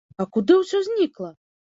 А куды ўсё знікла?